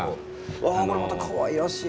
わあこれまたかわいらしい。